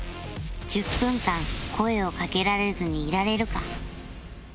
１０分間声をかけられずにいられるか？